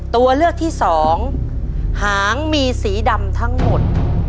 ตัวเลือกที่สองหางมีสีดำทั้งหมด